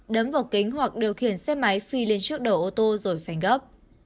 đấm vào kính hoặc điều khiển xe máy phi lên trước đầu ô tô rồi phanh gấp